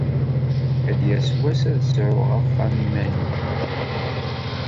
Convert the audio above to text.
Ad d-yas wass ad sɛuɣ axxam iman-iw.